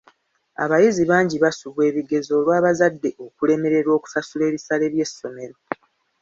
Abayizi bangi basubwa ebigezo olw'abazadde okulemererwa okusasula ebisale by'essomero.